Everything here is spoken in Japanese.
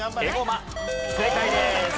正解です。